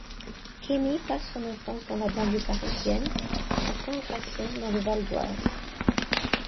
Keymi passe son enfance dans la banlieue parisienne, à Saint-Gratien dans le Val-d'Oise.